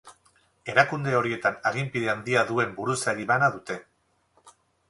Erakunde horietan aginpide handia duen buruzagi bana dute.